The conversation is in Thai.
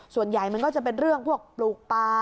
ส่วนใหญ่มันก็จะเป็นเรื่องพวกปลูกปลา